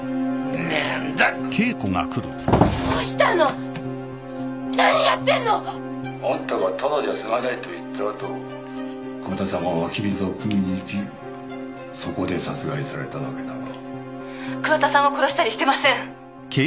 何やってんの⁉あんたがタダじゃ済まないと言ったあと桑田さんは湧き水をくみに行きそこで殺害されたわけだが桑田さんを殺したりしてません！